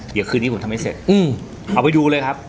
เดี๋ยวคืนนี้ผมทำไม่เสร็จเอาไปดูเลยครับ